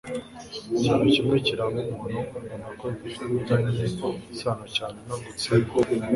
ikintu kimwe kiranga umuntu mbona ko gifitanye isano cyane no gutsinda